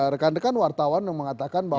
rekan rekan wartawan yang mengatakan bahwa